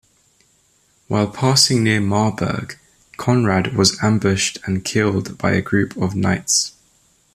While passing near Marburg, Konrad was ambushed and killed by a group of knights.